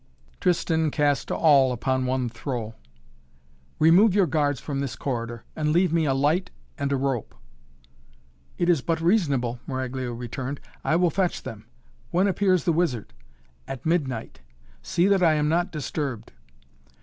Tristan cast all upon one throw. "Remove your guards from this corridor and leave me a light and a rope." "It is but reasonable," Maraglia returned. "I will fetch them. When appears the wizard?" "At midnight! See that I am not disturbed."